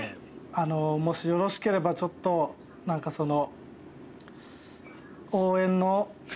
あのもしよろしければちょっと何かその。